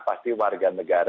pasti warga negara